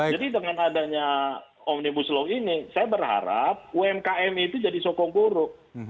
jadi dengan adanya omnibus law ini saya berharap umkm itu jadi sokong guru